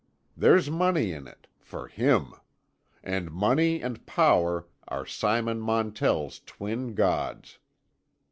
There's money in it—for him. And money and power are Simon Montell's twin gods.